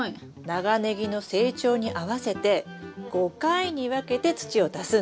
長ネギの成長に合わせて５回に分けて土を足すんです。